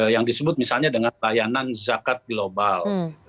yang disebut misalnya dengan layanan zakat global